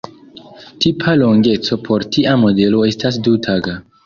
Tipa longeco por tia modelo estas du-taga.